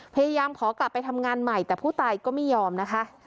พยายามขอกลับไปทำงานใหม่แต่ผู้ตายก็ไม่ยอมนะคะ